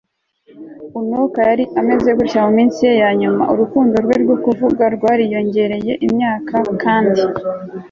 unoka yari ameze gutya muminsi ye yanyuma. urukundo rwe rwo kuvuga rwariyongereye imyaka kandi